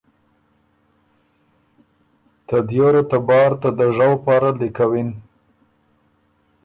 ته دیوره ته بار ته دژؤ پاره لیکوِن۔